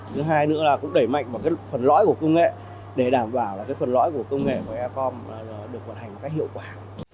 thứ hai nữa là cũng đẩy mạnh vào phần lõi của công nghệ để đảm bảo phần lõi của công nghệ của aecom được hoạt hành hiệu quả